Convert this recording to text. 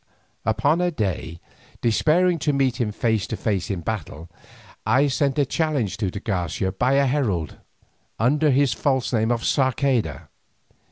Upon a day, despairing of meeting him face to face in battle, I sent a challenge to de Garcia by a herald, under his false name of Sarceda.